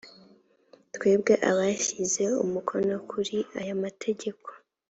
twebwe abashyize umukono kuri aya mategeko